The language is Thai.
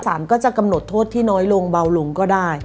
สารก็จะกำหนดโทษที่น้อยลงเบาลงก็ได้